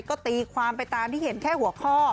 ก็ตีความไปตามที่เห็นแค่หัวข้อ